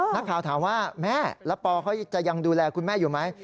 นักข่าวถามว่าแม่แล้วปอเขาจะยังดูแลคุณแม่อยู่ไหม